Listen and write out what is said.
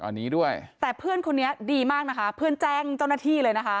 อันนี้ด้วยแต่เพื่อนคนนี้ดีมากนะคะเพื่อนแจ้งเจ้าหน้าที่เลยนะคะ